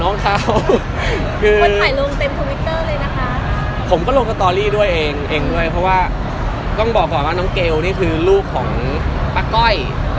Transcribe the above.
ตอนนี้ล่าสุดก็ไปควรง้องเกลไปดูนางเอ๊ะไปดูคอนเสิร์ต